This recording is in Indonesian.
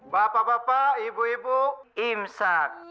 bapak bapak ibu ibu imsak